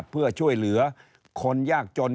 เพื่อช่วยเหลือคนยากจน